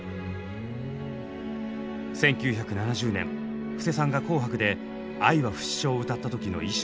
１９７０年布施さんが「紅白」で「愛は不死鳥」を歌った時の衣装。